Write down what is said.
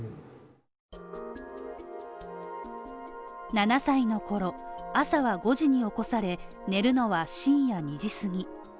７歳の頃、朝は５時に起こされ、寝るのは深夜２時過ぎ。